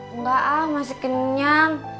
engga ah masih kenyang